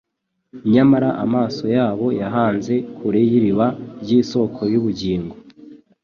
nyamara amaso yabo bayahanze kure y’iriba ry’isoko y’ubugingo